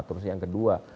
terus yang kedua